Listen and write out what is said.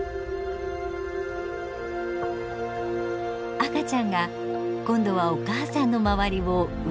赤ちゃんが今度はお母さんの周りをうろうろ。